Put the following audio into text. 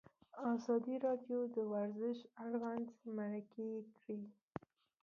ازادي راډیو د ورزش اړوند مرکې کړي.